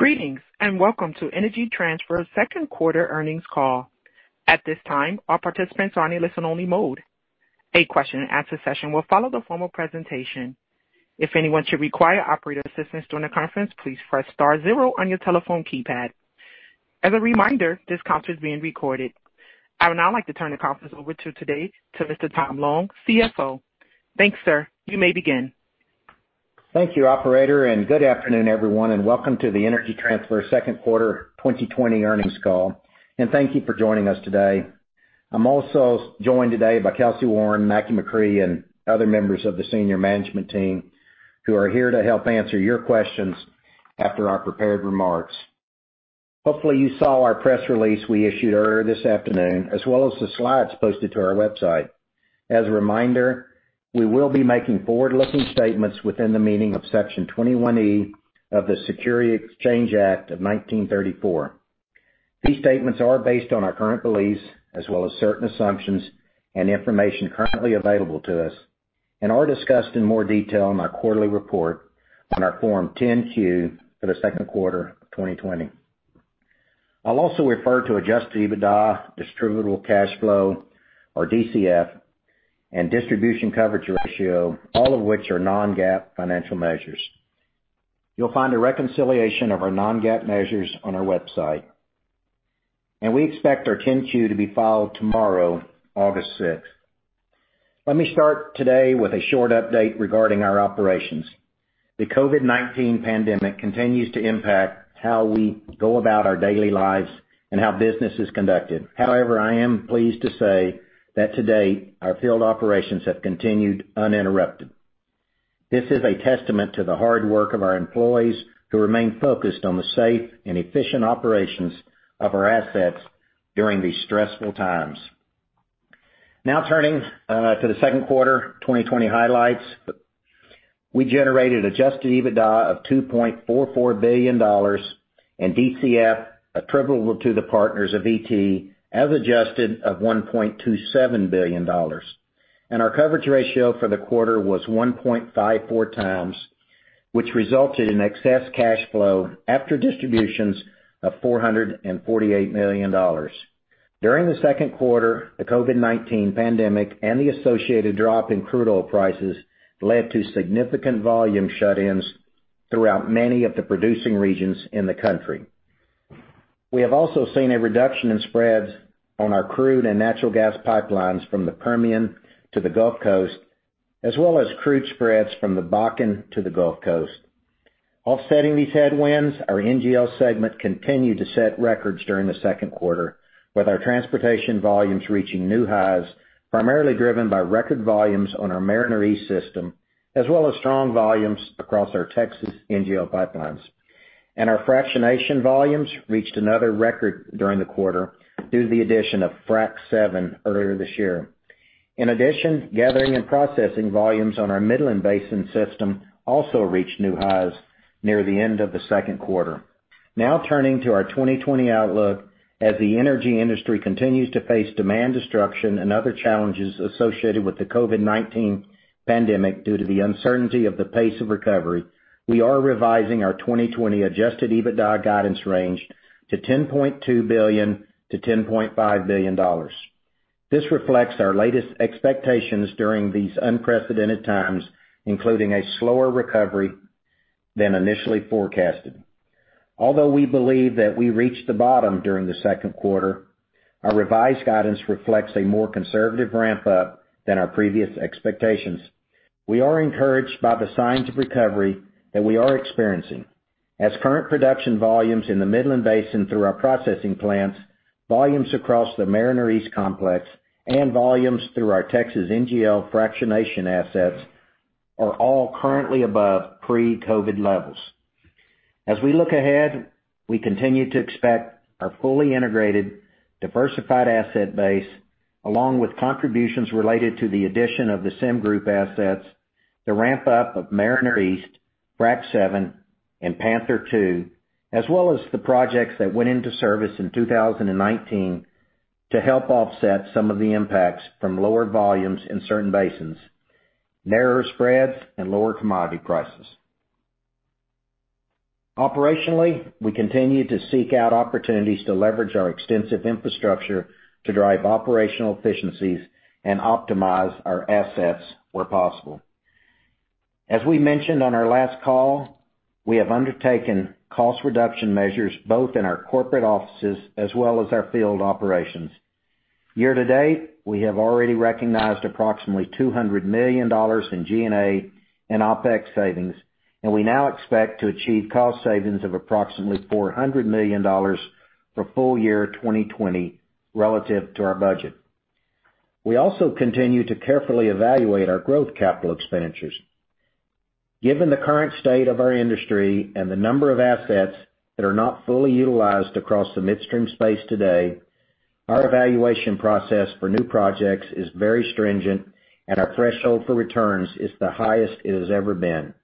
Greetings, and welcome to Energy Transfer 2nd Quarter Earnings Call. At this time, all participants are in listen-only mode. A question and answer session will follow the formal presentation. If anyone should require operator assistance during the conference, please press star zero on your telephone keypad. As a reminder, this conference is being recorded. I would now like to turn the conference over today to Mr. Tom Long, CFO. Thanks, sir. You may begin. Thank you, operator, and good afternoon, everyone, and welcome to the Energy Transfer Second Quarter 2020 Earnings Call. Thank you for joining us today. I'm also joined today by Kelcy Warren, Mackie McCrea, and other members of the senior management team, who are here to help answer your questions after our prepared remarks. Hopefully, you saw our press release we issued earlier this afternoon, as well as the slides posted to our website. As a reminder, we will be making forward-looking statements within the meaning of Section 21E of the Securities Exchange Act of 1934. These statements are based on our current beliefs, as well as certain assumptions and information currently available to us and are discussed in more detail in our quarterly report on our Form 10-Q for the second quarter of 2020. I'll also refer to Adjusted EBITDA, distributable cash flow or DCF, and distribution coverage ratio, all of which are non-GAAP financial measures. You'll find a reconciliation of our non-GAAP measures on our website. We expect our 10-Q to be filed tomorrow, August 6th. Let me start today with a short update regarding our operations. The COVID-19 pandemic continues to impact how we go about our daily lives and how business is conducted. However, I am pleased to say that to date, our field operations have continued uninterrupted. This is a testament to the hard work of our employees who remain focused on the safe and efficient operations of our assets during these stressful times. Now turning to the second quarter 2020 highlights. We generated Adjusted EBITDA of $2.44 billion and DCF attributable to the partners of ET as adjusted of $1.27 billion. Our coverage ratio for the quarter was 1.54 times, which resulted in excess cash flow after distributions of $448 million. During the second quarter, the COVID-19 pandemic and the associated drop in crude oil prices led to significant volume shut-ins throughout many of the producing regions in the country. We have also seen a reduction in spreads on our crude and natural gas pipelines from the Permian to the Gulf Coast, as well as crude spreads from the Bakken to the Gulf Coast. Offsetting these headwinds, our NGL segment continued to set records during the second quarter, with our transportation volumes reaching new highs, primarily driven by record volumes on our Mariner East system, as well as strong volumes across our Texas NGL pipelines. Our fractionation volumes reached another record during the quarter due to the addition of Frac VII earlier this year. In addition, gathering and processing volumes on our Midland Basin system also reached new highs near the end of the second quarter. Turning to our 2020 outlook. As the energy industry continues to face demand destruction and other challenges associated with the COVID-19 pandemic due to the uncertainty of the pace of recovery, we are revising our 2020 Adjusted EBITDA guidance range to $10.2 billion-$10.5 billion. This reflects our latest expectations during these unprecedented times, including a slower recovery than initially forecasted. We believe that we reached the bottom during the second quarter, our revised guidance reflects a more conservative ramp-up than our previous expectations. We are encouraged by the signs of recovery that we are experiencing, as current production volumes in the Midland Basin through our processing plants, volumes across the Mariner East complex, and volumes through our Texas NGL fractionation assets are all currently above pre-COVID levels. As we look ahead, we continue to expect our fully integrated, diversified asset base, along with contributions related to the addition of the SemGroup assets, the ramp-up of Mariner East, Frac VII, and Panther II, as well as the projects that went into service in 2019 to help offset some of the impacts from lower volumes in certain basins, narrower spreads, and lower commodity prices. Operationally, we continue to seek out opportunities to leverage our extensive infrastructure to drive operational efficiencies and optimize our assets where possible. As we mentioned on our last call, we have undertaken cost reduction measures both in our corporate offices as well as our field operations. Year to date, we have already recognized approximately $200 million in G&A and OpEx savings, and we now expect to achieve cost savings of approximately $400 million for full year 2020 relative to our budget. We also continue to carefully evaluate our growth capital expenditures. Given the current state of our industry and the number of assets that are not fully utilized across the midstream space today, our evaluation process for new projects is very stringent, and our threshold for returns is the highest it has ever been.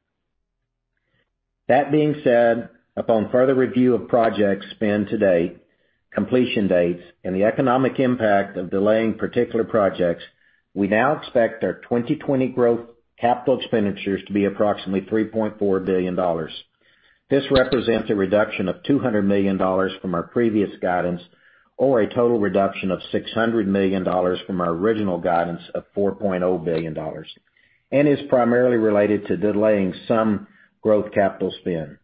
That being said, upon further review of projects spanned to date completion dates and the economic impact of delaying particular projects, we now expect our 2020 growth capital expenditures to be approximately $3.4 billion. This represents a reduction of $200 million from our previous guidance, or a total reduction of $600 million from our original guidance of $4.0 billion, and is primarily related to delaying some growth capital spend.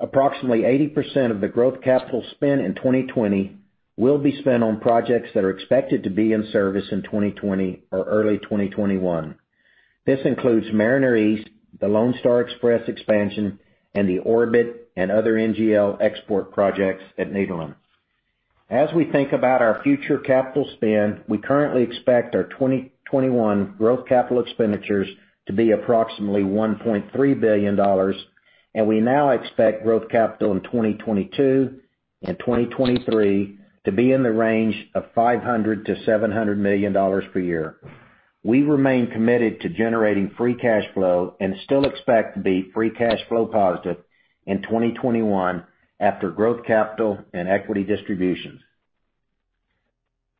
Approximately 80% of the growth capital spend in 2020 will be spent on projects that are expected to be in service in 2020 or early 2021. This includes Mariner East, the Lone Star Express expansion, and the Orbit and other NGL export projects at Nederland. As we think about our future capital spend, we currently expect our 2021 growth capital expenditures to be approximately $1.3 billion, and we now expect growth capital in 2022 and 2023 to be in the range of $500 million-$700 million per year. We remain committed to generating free cash flow and still expect to be free cash flow positive in 2021 after growth capital and equity distributions.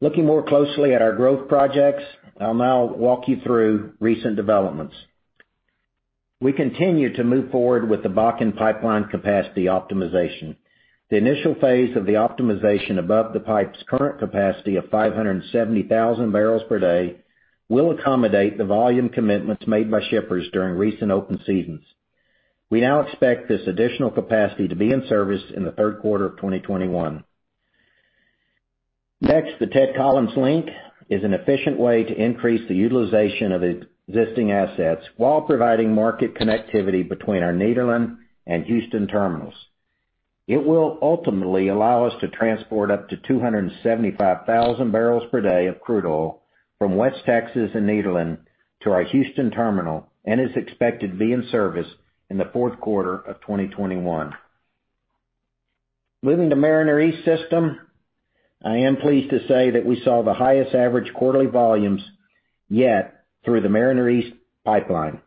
Looking more closely at our growth projects, I'll now walk you through recent developments. We continue to move forward with the Bakken Pipeline capacity optimization. The initial phase of the optimization above the pipe's current capacity of 570,000 barrels per day will accommodate the volume commitments made by shippers during recent open seasons. We now expect this additional capacity to be in service in the third quarter of 2021. Next, the Ted Collins Link is an efficient way to increase the utilization of existing assets while providing market connectivity between our Nederland and Houston terminals. It will ultimately allow us to transport up to 275,000 barrels per day of crude oil from West Texas and Nederland to our Houston terminal, and is expected to be in service in the fourth quarter of 2021. Moving to Mariner East system, I am pleased to say that we saw the highest average quarterly volumes yet through the Mariner East pipeline,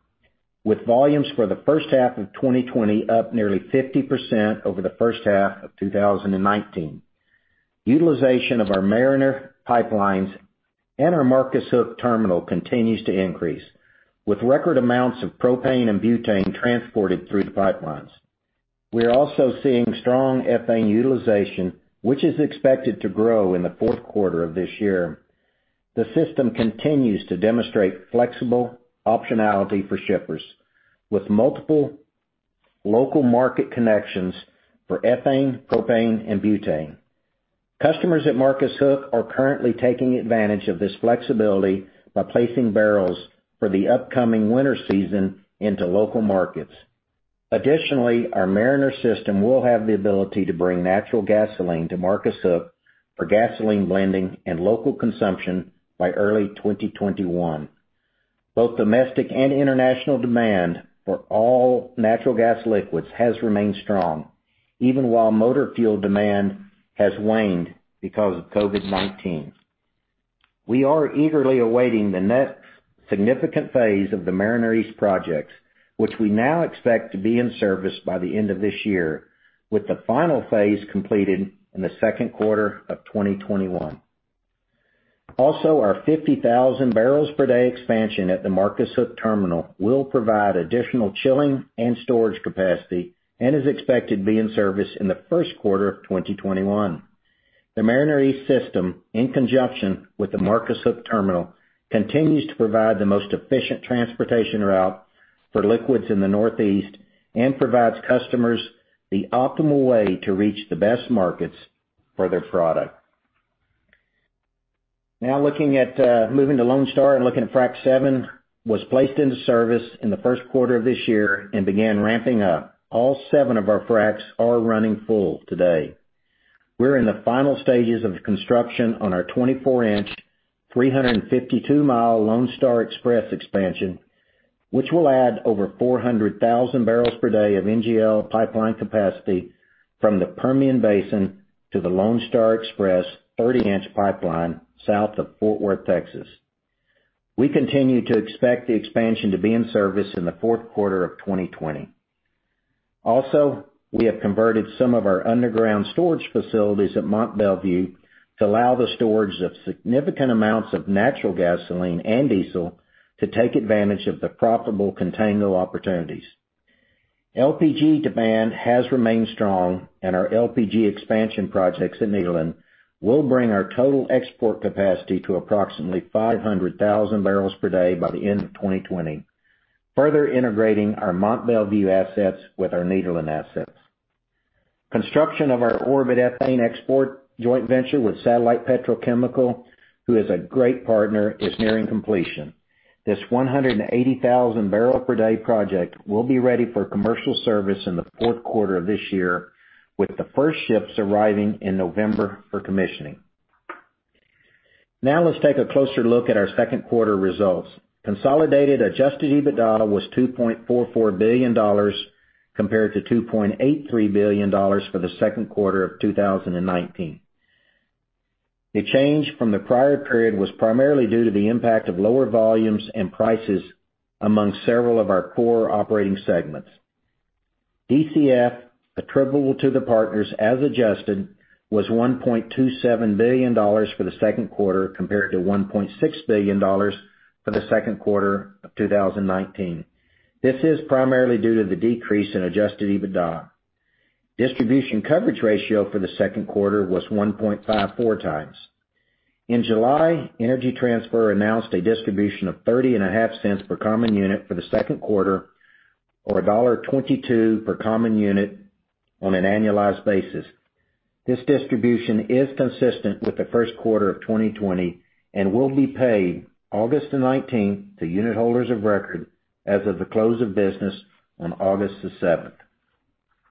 with volumes for the first half of 2020 up nearly 50% over the first half of 2019. Utilization of our Mariner pipelines and our Marcus Hook terminal continues to increase, with record amounts of propane and butane transported through the pipelines. We are also seeing strong ethane utilization, which is expected to grow in the fourth quarter of this year. The system continues to demonstrate flexible optionality for shippers, with multiple local market connections for ethane, propane, and butane. Customers at Marcus Hook are currently taking advantage of this flexibility by placing barrels for the upcoming winter season into local markets. Additionally, our Mariner system will have the ability to bring natural gasoline to Marcus Hook for gasoline blending and local consumption by early 2021. Both domestic and international demand for all natural gas liquids has remained strong, even while motor fuel demand has waned because of COVID-19. We are eagerly awaiting the next significant phase of the Mariner East projects, which we now expect to be in service by the end of this year, with the final phase completed in the second quarter of 2021. Also, our 50,000 barrels per day expansion at the Marcus Hook terminal will provide additional chilling and storage capacity and is expected to be in service in the first quarter of 2021. The Mariner East system, in conjunction with the Marcus Hook terminal, continues to provide the most efficient transportation route for liquids in the Northeast, and provides customers the optimal way to reach the best markets for their product. Moving to Lone Star and looking at Frac VII, was placed into service in the first quarter of this year and began ramping up. All 7 of our fracs are running full today. We're in the final stages of construction on our 24-inch, 352-mile Lone Star Express expansion, which will add over 400,000 barrels per day of NGL pipeline capacity from the Permian Basin to the Lone Star Express 30-inch pipeline south of Fort Worth, Texas. We continue to expect the expansion to be in service in the fourth quarter of 2020. We have converted some of our underground storage facilities at Mont Belvieu to allow the storage of significant amounts of natural gasoline and diesel to take advantage of the profitable contango opportunities. LPG demand has remained strong, and our LPG expansion projects in Nederland will bring our total export capacity to approximately 500,000 barrels per day by the end of 2020, further integrating our Mont Belvieu assets with our Nederland assets. Construction of our Orbit Ethane export joint venture with Satellite Petrochemical, who is a great partner, is nearing completion. This 180,000 barrel per day project will be ready for commercial service in the fourth quarter of this year, with the first ships arriving in November for commissioning. Let's take a closer look at our second quarter results. Consolidated Adjusted EBITDA was $2.44 billion compared to $2.83 billion for the second quarter of 2019. The change from the prior period was primarily due to the impact of lower volumes and prices among several of our core operating segments. DCF attributable to the partners as adjusted, was $1.27 billion for the second quarter, compared to $1.6 billion for the second quarter of 2019. This is primarily due to the decrease in Adjusted EBITDA. Distribution coverage ratio for the second quarter was 1.54 times. In July, Energy Transfer announced a distribution of $0.305 per common unit for the second quarter, or $1.22 per common unit on an annualized basis. This distribution is consistent with the first quarter of 2020 and will be paid August the 19th to unit holders of record as of the close of business on August the 7th.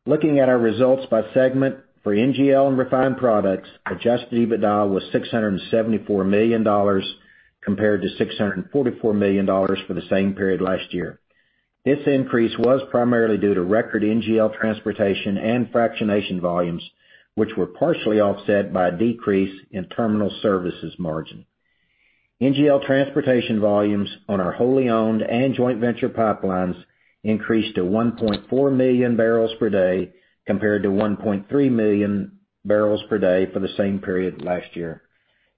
Looking at our results by segment, for NGL and refined products, Adjusted EBITDA was $674 million compared to $644 million for the same period last year. This increase was primarily due to record NGL transportation and fractionation volumes, which were partially offset by a decrease in terminal services margin. NGL transportation volumes on our wholly owned and joint venture pipelines increased to 1.4 million barrels per day, compared to 1.3 million barrels per day for the same period last year.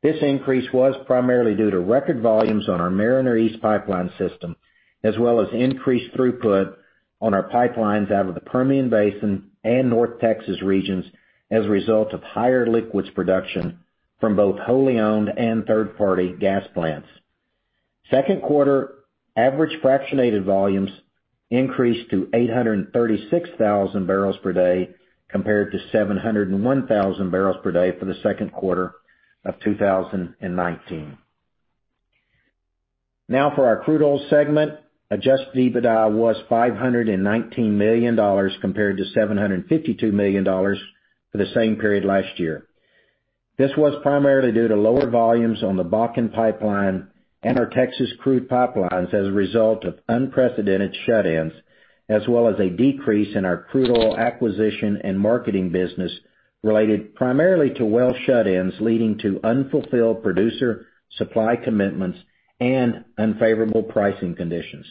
This increase was primarily due to record volumes on our Mariner East Pipeline System, as well as increased throughput on our pipelines out of the Permian Basin and North Texas regions as a result of higher liquids production from both wholly owned and third-party gas plants. Second quarter average fractionated volumes increased to 836,000 barrels per day, compared to 701,000 barrels per day for the second quarter of 2019. Now for our crude oil segment, Adjusted EBITDA was $519 million compared to $752 million for the same period last year. This was primarily due to lower volumes on the Bakken Pipeline and our Texas crude pipelines as a result of unprecedented shut-ins, as well as a decrease in our crude oil acquisition and marketing business related primarily to well shut-ins, leading to unfulfilled producer-supply commitments and unfavorable pricing conditions.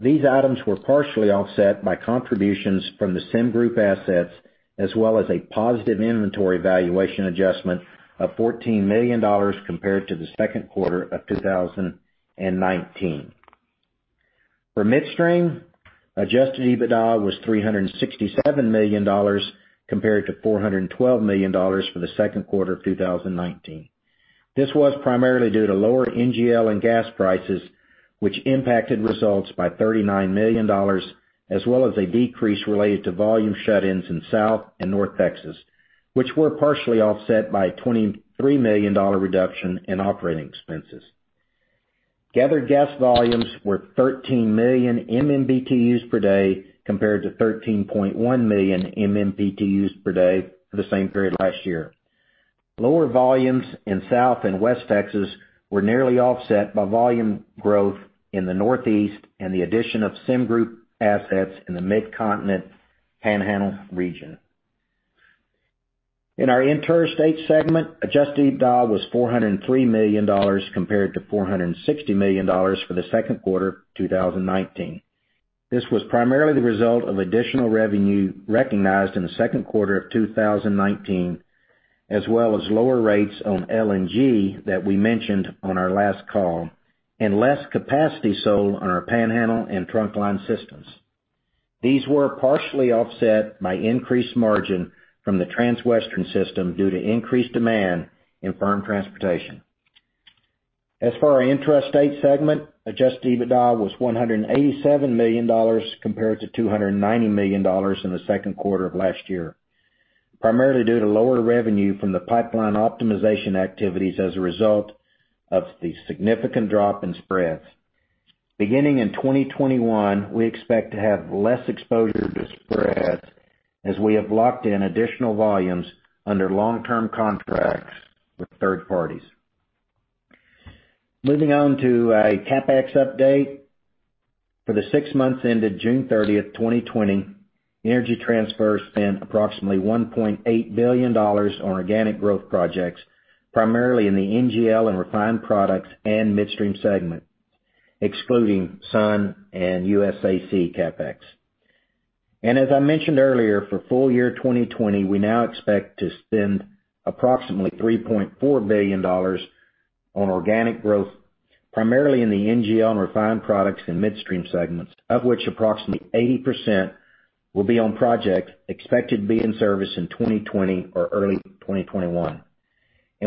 These items were partially offset by contributions from the SemGroup assets, as well as a positive inventory valuation adjustment of $14 million compared to the second quarter of 2019. For midstream, Adjusted EBITDA was $367 million compared to $412 million for the second quarter of 2019. This was primarily due to lower NGL and gas prices, which impacted results by $39 million, as well as a decrease related to volume shut-ins in South and North Texas, which were partially offset by a $23 million reduction in operating expenses. Gathered gas volumes were 13 million MMBtus per day, compared to 13.1 million MMBtus per day for the same period last year. Lower volumes in South and West Texas were nearly offset by volume growth in the Northeast and the addition of SemGroup assets in the Midcontinent Panhandle region. In our interstate segment, Adjusted EBITDA was $403 million compared to $460 million for the second quarter of 2019. This was primarily the result of additional revenue recognized in the second quarter of 2019, as well as lower rates on LNG that we mentioned on our last call, and less capacity sold on our Panhandle and Trunkline systems. These were partially offset by increased margin from the Transwestern system due to increased demand in firm transportation. As for our intrastate segment, Adjusted EBITDA was $187 million compared to $290 million in the second quarter of last year, primarily due to lower revenue from the pipeline optimization activities as a result of the significant drop in spreads. Beginning in 2021, we expect to have less exposure to spreads as we have locked in additional volumes under long-term contracts with third parties. Moving on to a CapEx update. For the six months ended June 30, 2020, Energy Transfer spent approximately $1.8 billion on organic growth projects, primarily in the NGL and refined products and midstream segment, excluding SUN and USAC CapEx. As I mentioned earlier, for full year 2020, we now expect to spend approximately $3.4 billion on organic growth, primarily in the NGL and refined products and midstream segments, of which approximately 80% will be on projects expected to be in service in 2020 or early 2021.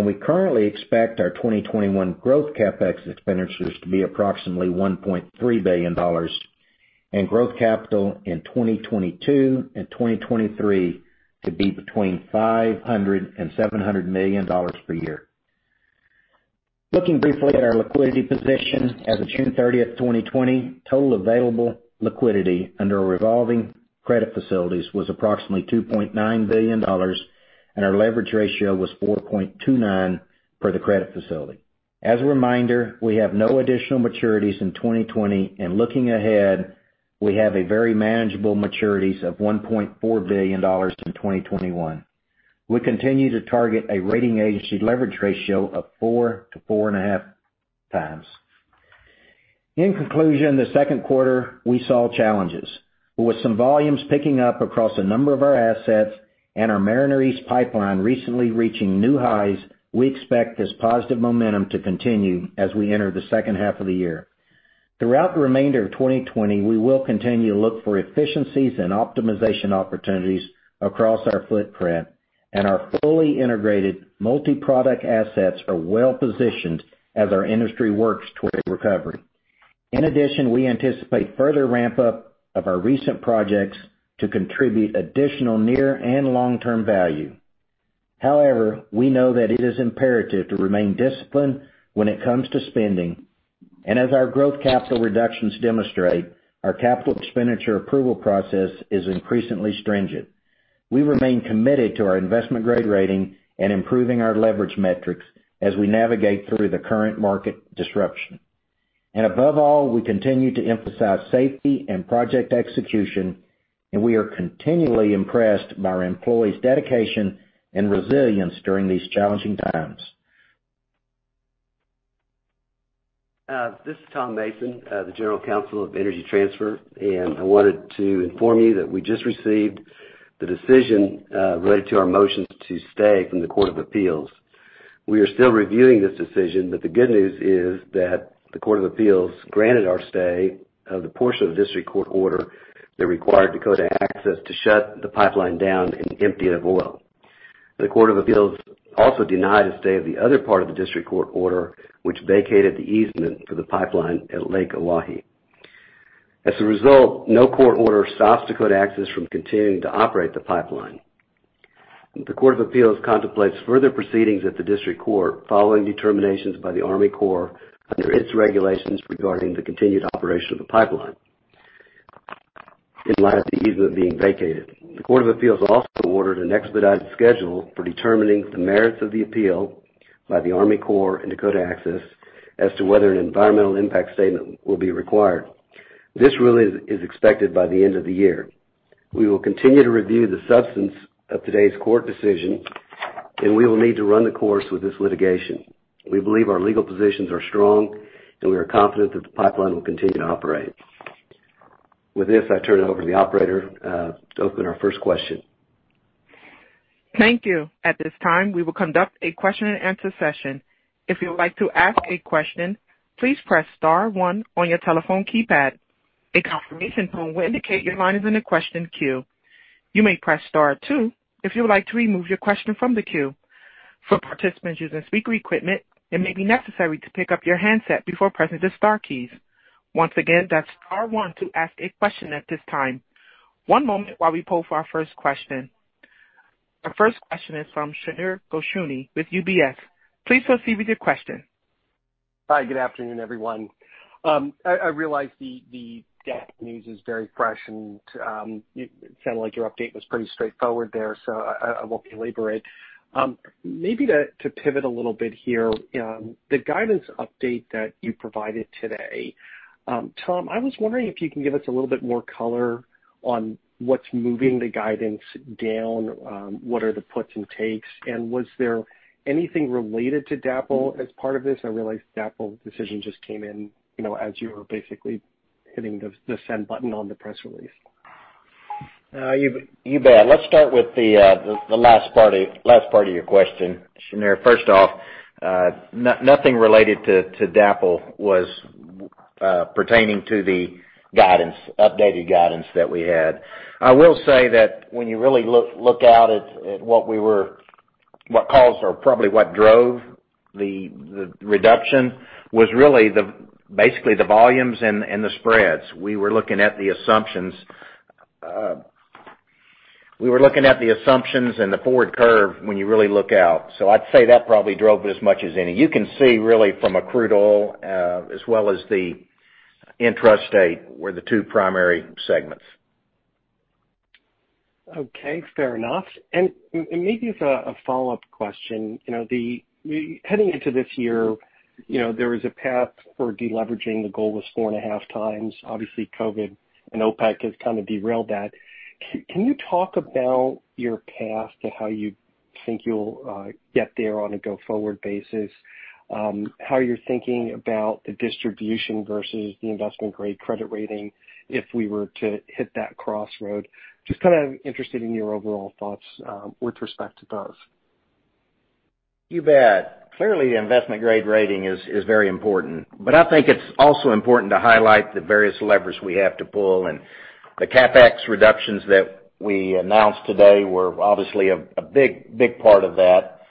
We currently expect our 2021 growth CapEx expenditures to be approximately $1.3 billion, and growth capital in 2022 and 2023 to be between $500 million-$700 million per year. Looking briefly at our liquidity position as of June 30, 2020, total available liquidity under our revolving credit facilities was approximately $2.9 billion, and our leverage ratio was 4.29 for the credit facility. As a reminder, we have no additional maturities in 2020. Looking ahead, we have very manageable maturities of $1.4 billion in 2021. We continue to target a rating agency leverage ratio of 4-4.5 times. In conclusion, the second quarter, we saw challenges, but with some volumes picking up across a number of our assets and our Mariner East pipeline recently reaching new highs, we expect this positive momentum to continue as we enter the second half of the year. Throughout the remainder of 2020, we will continue to look for efficiencies and optimization opportunities across our footprint, and our fully integrated multi-product assets are well-positioned as our industry works toward recovery. In addition, we anticipate further ramp-up of our recent projects to contribute additional near and long-term value. However, we know that it is imperative to remain disciplined when it comes to spending. As our growth capital reductions demonstrate, our capital expenditure approval process is increasingly stringent. We remain committed to our investment-grade rating and improving our leverage metrics as we navigate through the current market disruption. Above all, we continue to emphasize safety and project execution, and we are continually impressed by our employees' dedication and resilience during these challenging times. This is Tom Mason, the General Counsel of Energy Transfer, I wanted to inform you that we just received the decision related to our motions to stay from the Court of Appeals. We are still reviewing this decision, but the good news is that the Court of Appeals granted our stay of the portion of the district court order that required Dakota Access to shut the pipeline down and empty it of oil. The Court of Appeals also denied a stay of the other part of the district court order, which vacated the easement for the pipeline at Lake Oahe. As a result, no court order stops Dakota Access from continuing to operate the pipeline. The Court of Appeals contemplates further proceedings at the district court following determinations by the Army Corps under its regulations regarding the continued operation of the pipeline in light of the easement being vacated. The Court of Appeals also ordered an expedited schedule for determining the merits of the appeal by the Army Corps and Dakota Access as to whether an environmental impact statement will be required. This ruling is expected by the end of the year. We will continue to review the substance of today's court decision, and we will need to run the course with this litigation. We believe our legal positions are strong, and we are confident that the pipeline will continue to operate. With this, I turn it over to the operator to open our first question. Thank you, at this time we will conduct a question and answer session, if you would like to ask a question, please press star one on your telephone keypad a confirmation tone will indicate your question is in the queue, you may press star two if you would like to remove your question from the question queue, for participants using speaker equipment, it may be necessary to pick up your handset before pressing the keys. Once again star one to ask a question at this time. One moment while we pause for a question. Our first question is from Shneur Gershuni with UBS. Please proceed with your question. Hi, good afternoon, everyone. I realize the DAPL news is very fresh, and it sounded like your update was pretty straightforward there, so I won't belabor it. Maybe to pivot a little bit here, the guidance update that you provided today, Tom, I was wondering if you can give us a little bit more color on what's moving the guidance down, what are the puts and takes, and was there anything related to DAPL as part of this? I realize the DAPL decision just came in as you were basically hitting the send button on the press release. You bet. Let's start with the last part of your question, Shneur. First off, nothing related to DAPL was pertaining to the updated guidance that we had. I will say that when you really look out at what caused or probably what drove the reduction was really basically the volumes and the spreads. We were looking at the assumptions and the forward curve when you really look out. I'd say that probably drove it as much as any. You can see really from a crude oil, as well as the intrastate, were the two primary segments. Okay, fair enough. Maybe as a follow-up question, heading into this year, there was a path for de-leveraging. The goal was 4.5 times. Obviously, COVID and OPEC has kind of derailed that. Can you talk about your path to how you think you'll get there on a go-forward basis? How you're thinking about the distribution versus the investment-grade credit rating if we were to hit that crossroad? Just kind of interested in your overall thoughts with respect to those. You bet. Clearly, investment-grade rating is very important. I think it's also important to highlight the various levers we have to pull, and the CapEx reductions that we announced today were obviously a big part of that.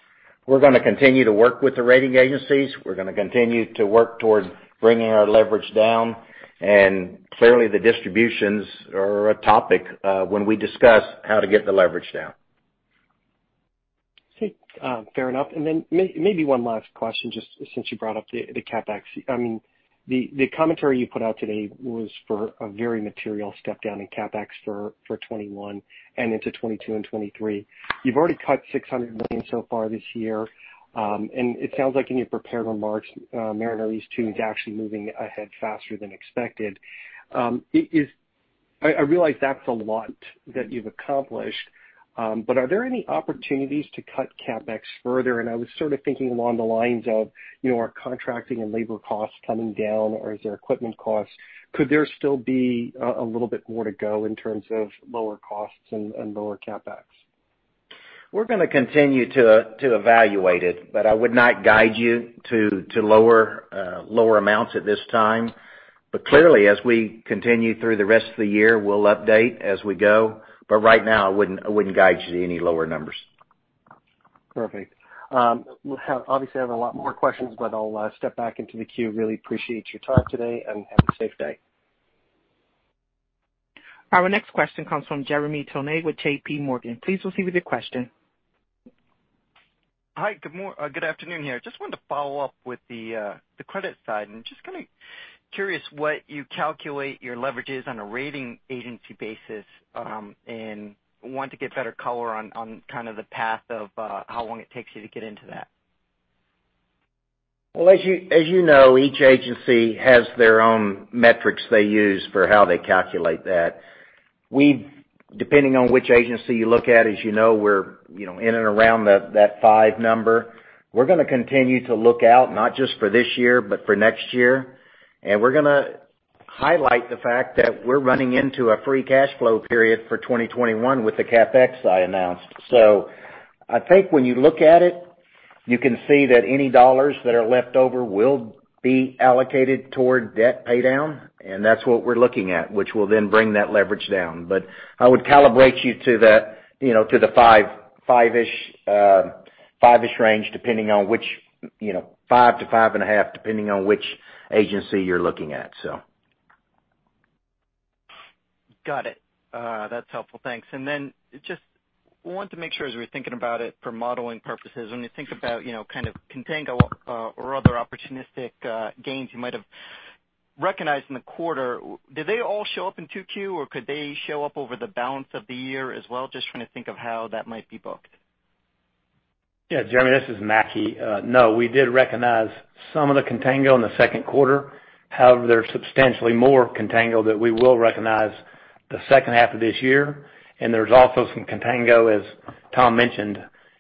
We're going to continue to work with the rating agencies. We're going to continue to work towards bringing our leverage down. Clearly the distributions are a topic when we discuss how to get the leverage down. Okay. Fair enough. Maybe one last question, just since you brought up the CapEx. The commentary you put out today was for a very material step down in CapEx for 2021 and into 2022 and 2023. You've already cut $600 million so far this year. It sounds like in your prepared remarks, Mariner East two is actually moving ahead faster than expected. I realize that's a lot that you've accomplished, but are there any opportunities to cut CapEx further? I was sort of thinking along the lines of, are contracting and labor costs coming down, or is there equipment costs? Could there still be a little bit more to go in terms of lower costs and lower CapEx? We're going to continue to evaluate it, but I would not guide you to lower amounts at this time. Clearly, as we continue through the rest of the year, we'll update as we go. Right now, I wouldn't guide you to any lower numbers. Perfect. Obviously I have a lot more questions, but I'll step back into the queue. Really appreciate your time today, and have a safe day. Our next question comes from Jeremy Tonet with JPMorgan. Please proceed with your question. Hi, good afternoon here. Just wanted to follow up with the credit side. Just kind of curious what you calculate your leverage is on a rating agency basis. Want to get better color on the path of how long it takes you to get into that. Well, as you know, each agency has their own metrics they use for how they calculate that. Depending on which agency you look at, as you know, we're in and around that five number. We're going to continue to look out, not just for this year, but for next year. We're going to highlight the fact that we're running into a free cash flow period for 2021 with the CapEx I announced. I think when you look at it, you can see that any dollars that are left over will be allocated toward debt paydown, and that's what we're looking at, which will then bring that leverage down. I would calibrate you to the five-ish range, five to five and a half, depending on which agency you're looking at. Got it. That's helpful. Thanks. Just wanted to make sure, as we were thinking about it for modeling purposes, when we think about kind of contango or other opportunistic gains you might have recognized in the quarter, do they all show up in 2Q or could they show up over the balance of the year as well? Just trying to think of how that might be booked. Yeah, Jeremy, this is Mackie. No. There's substantially more contango that we will recognize the second half of this year, there's also some contango, as Tom mentioned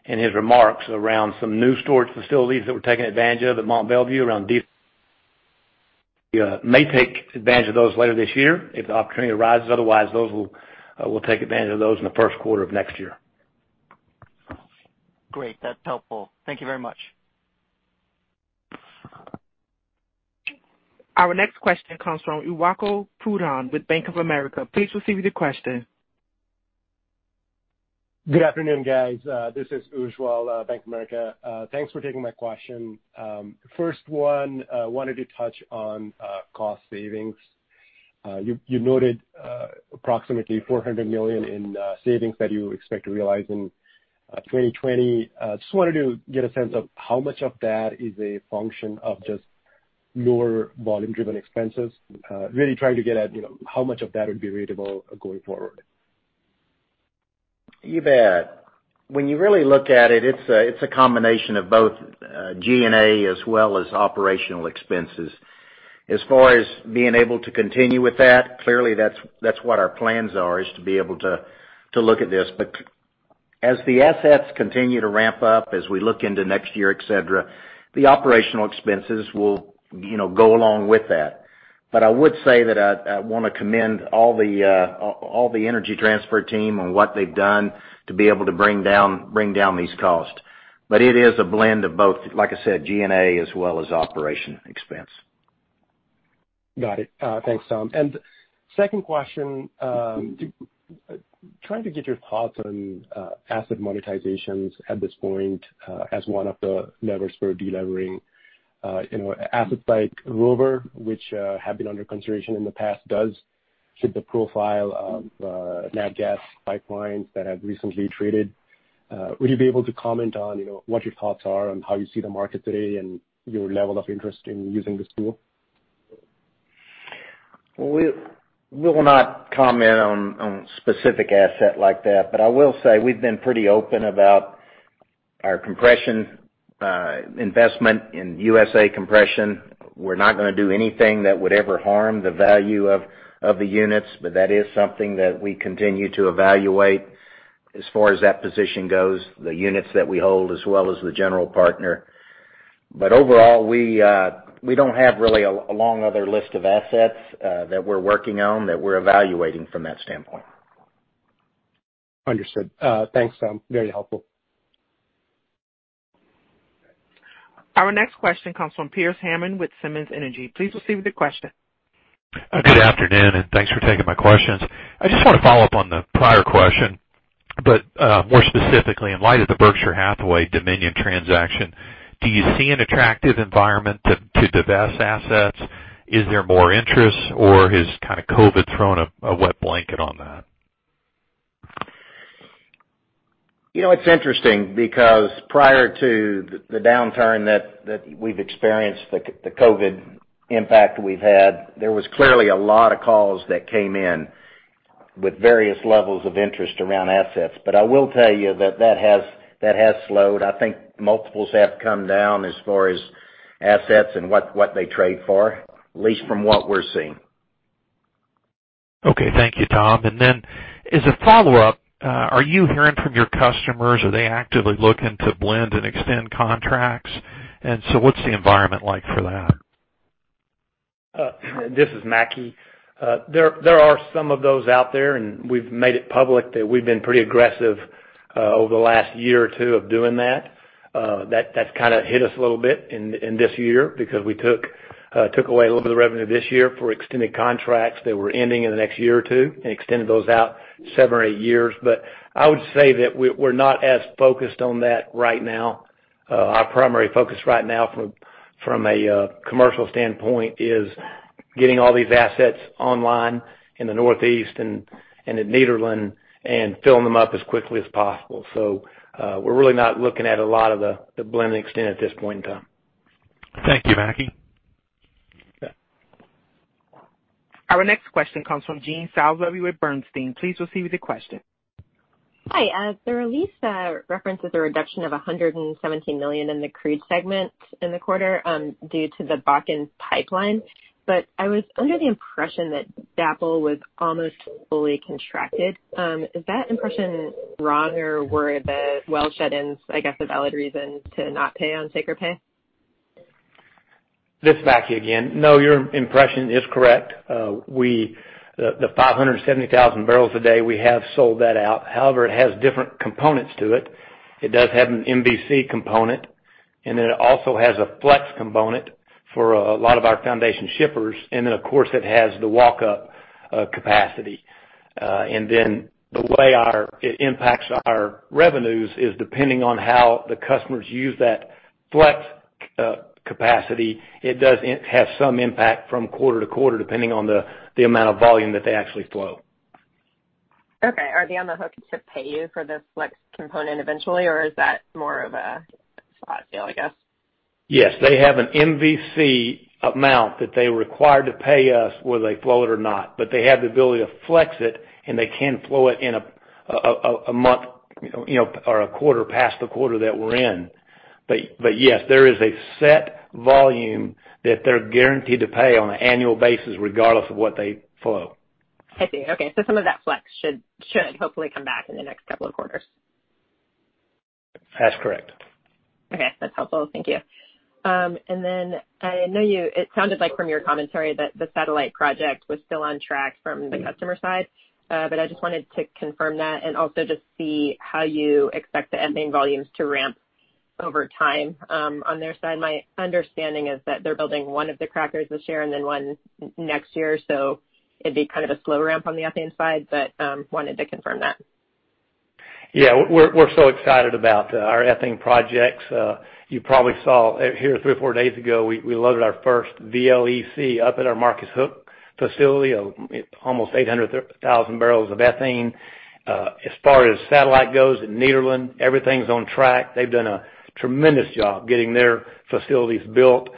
in his remarks, around some new storage facilities that we're taking advantage of at Mont Belvieu. We may take advantage of those later this year if the opportunity arises. Otherwise, we'll take advantage of those in the first quarter of next year. Great. That's helpful. Thank you very much. Our next question comes from Ujjwal Pradhan with Bank of America. Please proceed with your question. Good afternoon, guys. This is Ujjwal, Bank of America. Thanks for taking my question. First one, wanted to touch on cost savings. You noted approximately $400 million in savings that you expect to realize in 2020. Just wanted to get a sense of how much of that is a function of just lower volume-driven expenses. Really trying to get at how much of that would be repeatable going forward. You bet. When you really look at it's a combination of both G&A as well as operational expenses. As far as being able to continue with that, clearly that's what our plans are, is to be able to look at this. As the assets continue to ramp up, as we look into next year, et cetera, the operational expenses will go along with that. I would say that I want to commend all the Energy Transfer team on what they've done to be able to bring down these costs. It is a blend of both, like I said, G&A as well as operation expense. Got it. Thanks, Tom. Second question, trying to get your thoughts on asset monetizations at this point, as one of the levers for de-levering assets like Rover, which have been under consideration in the past, does fit the profile of nat gas pipelines that have recently traded. Would you be able to comment on what your thoughts are on how you see the market today and your level of interest in using this tool? We will not comment on a specific asset like that, but I will say we've been pretty open about our compression investment in USA Compression. We're not going to do anything that would ever harm the value of the units, but that is something that we continue to evaluate as far as that position goes, the units that we hold, as well as the general partner. Overall, we don't have really a long other list of assets that we're working on, that we're evaluating from that standpoint. Understood. Thanks, Tom. Very helpful. Our next question comes from Pearce Hammond with Simmons Energy. Please proceed with your question. Good afternoon, and thanks for taking my questions. I just want to follow up on the prior question, but more specifically, in light of the Berkshire Hathaway Dominion transaction, do you see an attractive environment to divest assets? Is there more interest, or has kind of COVID thrown a wet blanket on that? It's interesting because prior to the downturn that we've experienced, the COVID impact we've had, there was clearly a lot of calls that came in. With various levels of interest around assets. I will tell you that has slowed. I think multiples have come down as far as assets and what they trade for, at least from what we're seeing. Okay. Thank you, Tom. As a follow-up, are you hearing from your customers? Are they actively looking to blend and extend contracts? What's the environment like for that? This is Mackie. There are some of those out there, and we've made it public that we've been pretty aggressive over the last year or two of doing that. That's hit us a little bit in this year because we took away a little bit of revenue this year for extended contracts that were ending in the next year or two and extended those out seven or eight years. I would say that we're not as focused on that right now. Our primary focus right now from a commercial standpoint is getting all these assets online in the Northeast and at Nederland and filling them up as quickly as possible. We're really not looking at a lot of the blend and extend at this point in time. Thank you, Mackie. Okay. Our next question comes from Jean Salisbury with Bernstein. Please proceed with your question. Hi. The release references a reduction of $117 million in the crude segment in the quarter due to the Bakken Pipeline. I was under the impression that DAPL was almost fully contracted. Is that impression wrong, or were the well shut-ins a valid reason to not pay on take-or-pay? This is Mackie again. No, your impression is correct. The 570,000 barrels a day, we have sold that out. It has different components to it. It does have an MVC component, it also has a flex component for a lot of our foundation shippers. Of course, it has the walk-up capacity. The way it impacts our revenues is depending on how the customers use that flex capacity. It does have some impact from quarter to quarter, depending on the amount of volume that they actually flow. Okay. Are they on the hook to pay you for this flex component eventually, or is that more of a slot deal, I guess? Yes. They have an MVC amount that they're required to pay us whether they flow it or not. They have the ability to flex it, and they can flow it in a month or a quarter past the quarter that we're in. Yes, there is a set volume that they're guaranteed to pay on an annual basis regardless of what they flow. I see. Okay, some of that flex should hopefully come back in the next couple of quarters. That's correct. Okay. That's helpful. Thank you. I know it sounded like from your commentary that the Satellite project was still on track from the customer side. I just wanted to confirm that and also just see how you expect the ethane volumes to ramp over time on their side. My understanding is that they're building one of the crackers this year and then one next year, so it'd be kind of a slow ramp on the ethane side, but wanted to confirm that. Yeah. We're so excited about our ethane projects. You probably saw here three or four days ago, we loaded our first VLEC up at our Marcus Hook facility of almost 800,000 barrels of ethane. As far as Satellite goes in Nederland, everything's on track. They've done a tremendous job getting their facilities built,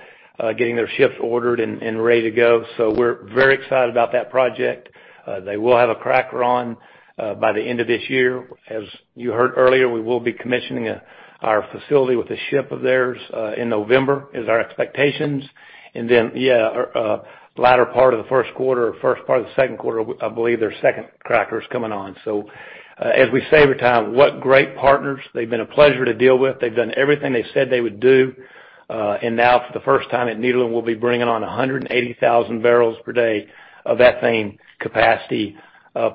getting their ships ordered and ready to go. We're very excited about that project. They will have a cracker on by the end of this year. As you heard earlier, we will be commissioning our facility with a ship of theirs in November, is our expectations. Latter part of the first quarter or first part of the second quarter, I believe their second cracker is coming on. As we say every time, what great partners. They've been a pleasure to deal with. They've done everything they said they would do. Now, for the first time at Nederland, we'll be bringing on 180,000 barrels per day of ethane capacity,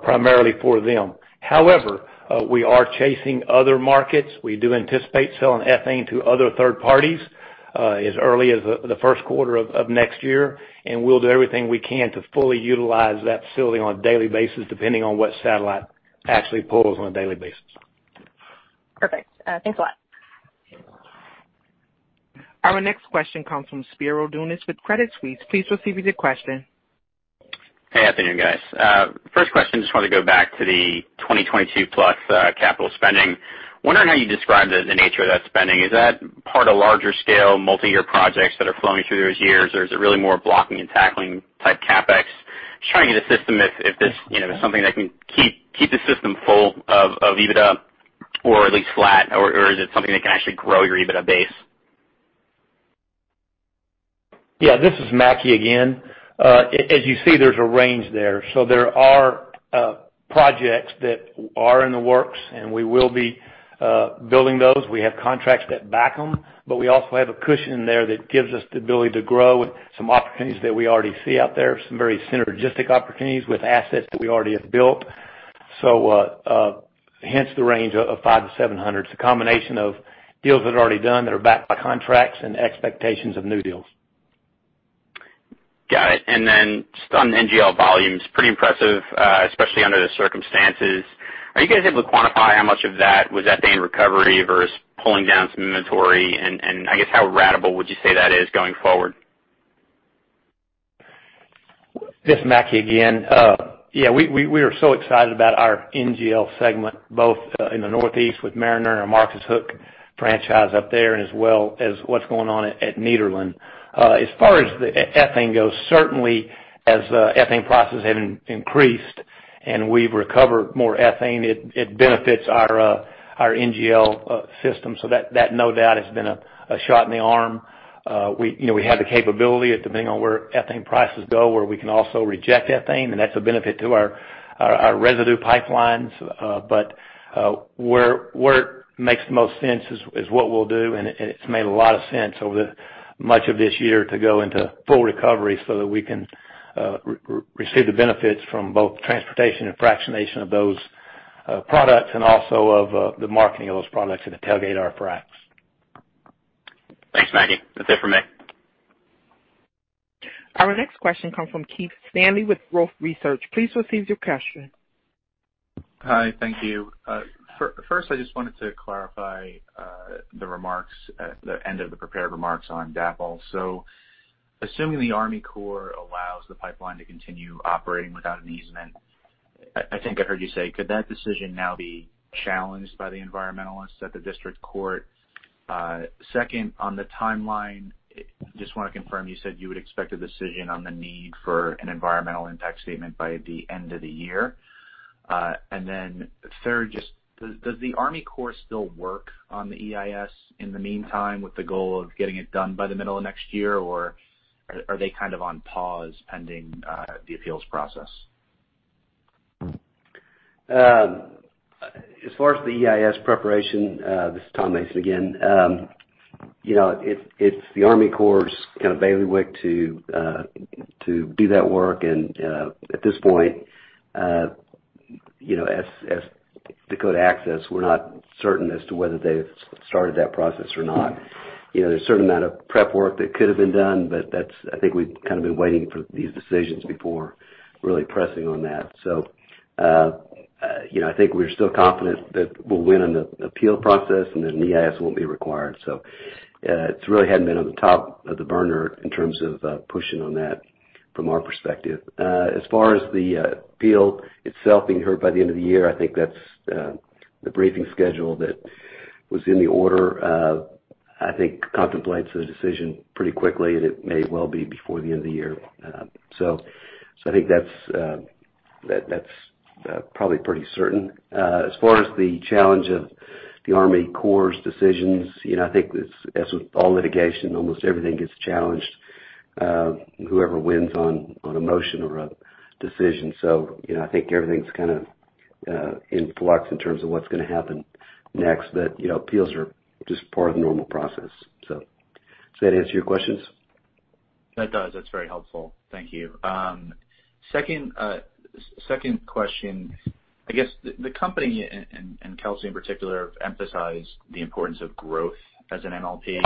primarily for them. However, we are chasing other markets. We do anticipate selling ethane to other third parties as early as the first quarter of next year, and we'll do everything we can to fully utilize that facility on a daily basis, depending on what Satellite actually pulls on a daily basis. Perfect. Thanks a lot. Our next question comes from Spiro Dounis with Credit Suisse. Please proceed with your question. Hey, afternoon, guys. First question, just want to go back to the 2022 plus capital spending. Wondering how you described the nature of that spending. Is that part of larger scale multi-year projects that are flowing through those years, or is it really more blocking and tackling type CapEx? Just trying to get a system if this is something that can keep the system full of EBITDA or at least flat, or is it something that can actually grow your EBITDA base? Yeah, this is Mackie again. As you see, there's a range there. There are projects that are in the works, and we will be building those. We have contracts that back them, but we also have a cushion in there that gives us the ability to grow with some opportunities that we already see out there, some very synergistic opportunities with assets that we already have built. Hence the range of five to 700. It's a combination of deals that are already done that are backed by contracts and expectations of new deals. Got it. Then just on the NGL volumes, pretty impressive, especially under the circumstances. Are you guys able to quantify how much of that was ethane recovery versus pulling down some inventory? I guess how ratable would you say that is going forward? This is Mackie again. We are so excited about our NGL segment, both in the Northeast with Mariner and our Marcus Hook franchise up there, as well as what's going on at Nederland. As far as the ethane goes, certainly as ethane prices have increased. We've recovered more ethane. It benefits our NGL system, so that no doubt has been a shot in the arm. We have the capability, depending on where ethane prices go, where we can also reject ethane, and that's a benefit to our residue pipelines. Where it makes the most sense is what we'll do, and it's made a lot of sense over much of this year to go into full recovery so that we can receive the benefits from both transportation and fractionation of those products and also of the marketing of those products at the tailgate of our fracs. Thanks, Mackie. That's it for me. Our next question comes from Keith Stanley with Wolfe Research. Please proceed with your question. Hi. Thank you. I just wanted to clarify the end of the prepared remarks on DAPL. Assuming the Army Corps allows the pipeline to continue operating without an easement, I think I heard you say, could that decision now be challenged by the environmentalists at the district court? On the timeline, I just want to confirm, you said you would expect a decision on the need for an environmental impact statement by the end of the year. Does the Army Corps still work on the EIS in the meantime with the goal of getting it done by the middle of next year or are they kind of on pause pending the appeals process? As far as the EIS preparation, this is Tom Mason again. It's the Army Corps' kind of bailiwick to do that work, and at this point as Dakota Access, we're not certain as to whether they've started that process or not. There's a certain amount of prep work that could have been done, but I think we've kind of been waiting for these decisions before really pressing on that. I think we're still confident that we'll win on the appeal process and then the EIS won't be required. It really hadn't been on the top of the burner in terms of pushing on that from our perspective. As far as the appeal itself being heard by the end of the year, I think that's the briefing schedule that was in the order. I think contemplates a decision pretty quickly, and it may well be before the end of the year. I think that's probably pretty certain. As far as the challenge of the Army Corps' decisions, I think as with all litigation, almost everything gets challenged, whoever wins on a motion or a decision. I think everything's kind of in flux in terms of what's going to happen next that appeals are just part of the normal process. Does that answer your questions? That does. That's very helpful. Thank you. Second question, I guess the company and Kelcy in particular, have emphasized the importance of growth as an MLP,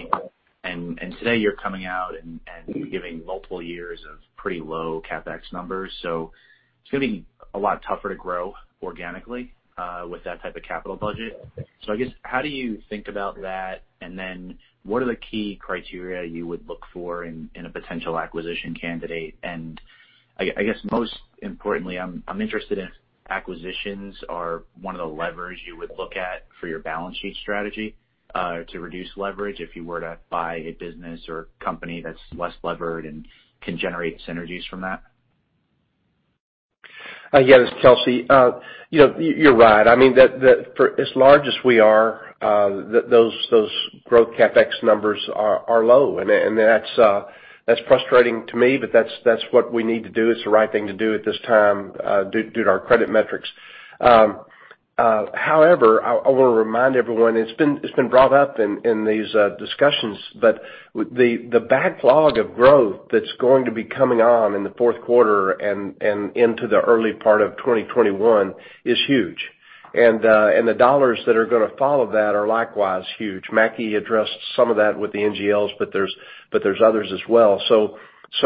and today you're coming out and giving multiple years of pretty low CapEx numbers. It's going to be a lot tougher to grow organically with that type of capital budget. I guess how do you think about that, and then what are the key criteria you would look for in a potential acquisition candidate? I guess most importantly, I'm interested if acquisitions are one of the levers you would look at for your balance sheet strategy to reduce leverage if you were to buy a business or company that's less levered and can generate synergies from that? Yes. Kelcy. You're right. As large as we are, those growth CapEx numbers are low, and that's frustrating to me, but that's what we need to do. It's the right thing to do at this time due to our credit metrics. However, I want to remind everyone, it's been brought up in these discussions, but the backlog of growth that's going to be coming on in the fourth quarter and into the early part of 2021 is huge. The dollars that are going to follow that are likewise huge. Mackie addressed some of that with the NGLs, but there's others as well.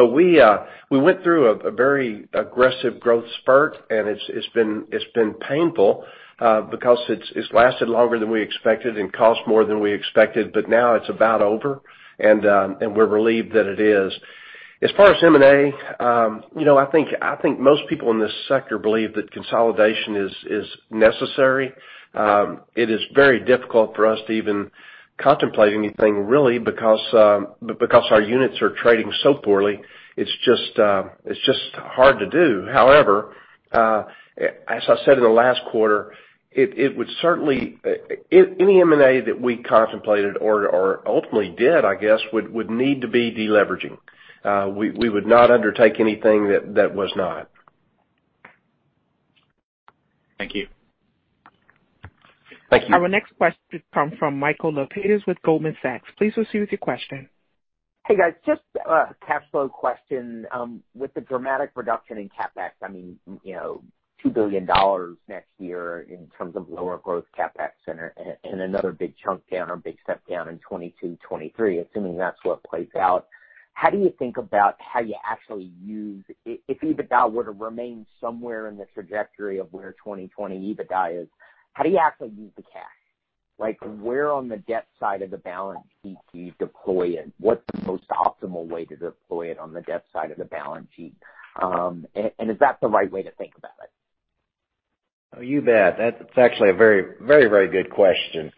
We went through a very aggressive growth spurt, and it's been painful because it's lasted longer than we expected and cost more than we expected, but now it's about over, and we're relieved that it is. As far as M&A, I think most people in this sector believe that consolidation is necessary. It is very difficult for us to even contemplate anything really because our units are trading so poorly. It's just hard to do. However as I said in the last quarter, any M&A that we contemplated or ultimately did, I guess, would need to be de-leveraging. We would not undertake anything that was not. Thank you. Thank you. Our next question comes from Michael Lapides with Goldman Sachs. Please proceed with your question. Hey, guys. Just a cash flow question. With the dramatic reduction in CapEx, $2 billion next year in terms of lower growth CapEx and another big chunk down or big step down in 2022, 2023, assuming that's what plays out, how do you think about how you actually use the cash if EBITDA were to remain somewhere in the trajectory of where 2020 EBITDA is? Where on the debt side of the balance sheet do you deploy it? What's the most optimal way to deploy it on the debt side of the balance sheet? Is that the right way to think about it? Oh, you bet. That's actually a very good question.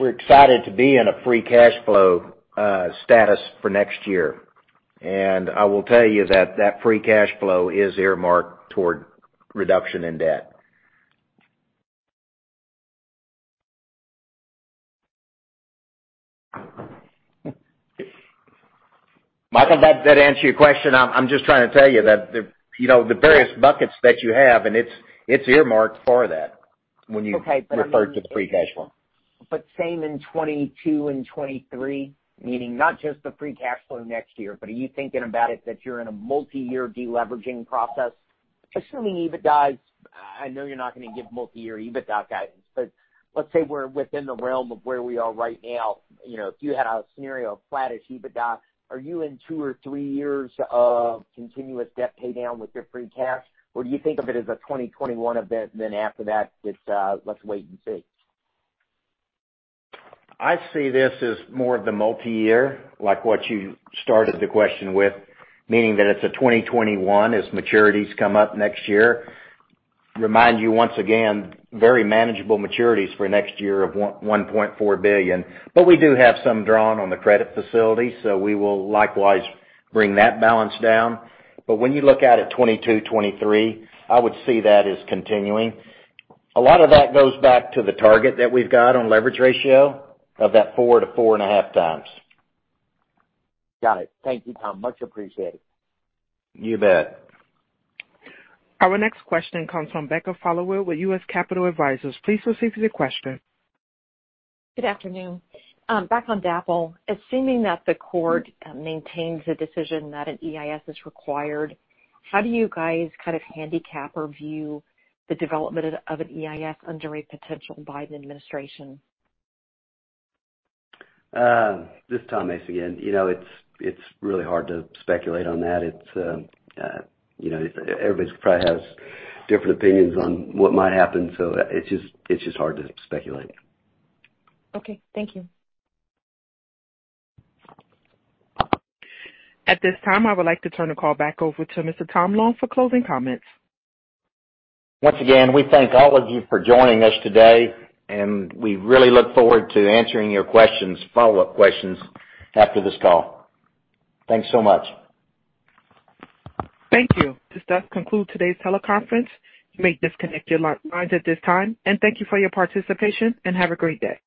We're excited to be in a free cash flow status for next year. I will tell you that free cash flow is earmarked toward reduction in debt. Michael, does that answer your question? I'm just trying to tell you that the various buckets that you have, and it's earmarked for that when you refer to the free cash flow. Same in 2022 and 2023, meaning not just the free cash flow next year, but are you thinking about it that you're in a multi-year de-leveraging process? Assuming EBITDAs, I know you're not going to give multi-year EBITDA guidance, but let's say we're within the realm of where we are right now. If you had a scenario of flattish EBITDA, are you in two or three years of continuous debt pay down with your free cash? Or do you think of it as a 2021 event, then after that, it's let's wait and see? I see this as more of the multi-year, like what you started the question with, meaning that it's a 2021 as maturities come up next year. Remind you once again, very manageable maturities for next year of $1.4 billion. We do have some drawn on the credit facility, we will likewise bring that balance down. When you look out at 2022, 2023, I would see that as continuing. A lot of that goes back to the target that we've got on leverage ratio of that 4-4.5 times. Got it. Thank you, Tom. Much appreciated. You bet. Our next question comes from Becca Followill with U.S. Capital Advisors. Please proceed with your question. Good afternoon. Back on DAPL. Assuming that the court maintains a decision that an EIS is required, how do you guys kind of handicap or view the development of an EIS under a potential Biden administration? This is Tom Mason again. It's really hard to speculate on that. Everybody probably has different opinions on what might happen. It's just hard to speculate. Okay. Thank you. At this time, I would like to turn the call back over to Mr. Tom Long for closing comments. Once again, we thank all of you for joining us today, and we really look forward to answering your questions, follow-up questions after this call. Thanks so much. Thank you. This does conclude today's teleconference. You may disconnect your lines at this time, and thank you for your participation, and have a great day.